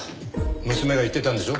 娘が言ってたんでしょ？